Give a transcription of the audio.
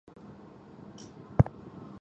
这在其他同属蠓科的物种当中实属罕见。